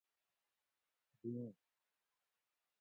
بیوں